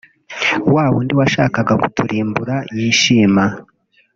wa wundi washakaga kuturimbura yishima